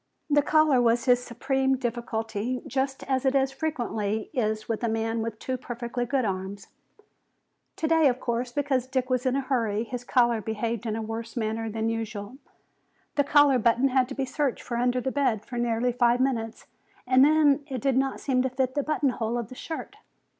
The collar was his supreme difficulty, just as it frequently is with a man with two perfectly good arms. Today, of course, because Dick was in a hurry, his collar behaved in a worse manner than usual. The collar button had to be searched for under the bed for nearly five minutes, and then it did not seem to fit the button hole of the shirt.